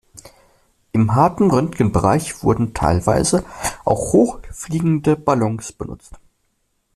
Im harten Röntgenbereich wurden teilweise auch hochfliegende Ballons benutzt.